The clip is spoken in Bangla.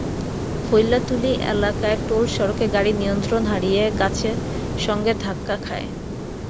ফইল্ল্যাতলী এলাকায় টোল সড়কে গাড়ি নিয়ন্ত্রণ হারিয়ে গাছের সঙ্গে ধাক্কা খায়।